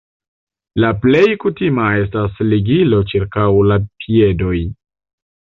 La plej kutima estas ligilo ĉirkaŭ la piedoj.